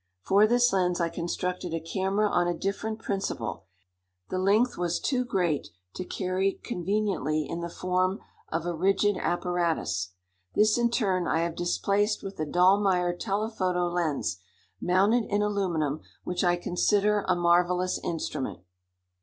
For this lens I constructed a camera on a different principle, as the length was too great to carry conveniently in the form of a rigid apparatus. This in turn I have displaced with a Dallmeyer telephoto lens, mounted in aluminum, which I consider a marvelous instrument.